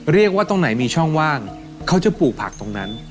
เรียกว่าตรงไหนมีช่องว่างเขาจะปลูกผักตรงนั้น